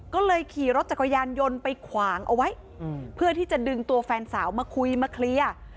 ก็เลยขี่รถจักรยานยนต์ไปขวางเอาไว้เพื่อที่จะดึงตัวแฟนสาวมาคุยมาเคลียร์